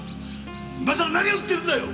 今さら何を言ってるんだよ！